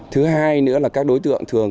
thứ hai nữa là các đối tượng thường